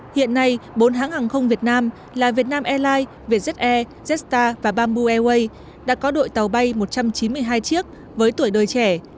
hiện nay bốn hãng hàng không việt nam là vietnam airlines vietjet air jetstar và bamboo airways đã có đội tàu bay một trăm chín mươi hai chiếc với tuổi đời trẻ